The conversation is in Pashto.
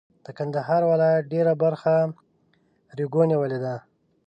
د کندهار ولایت ډېره برخه ریګو نیولې ده.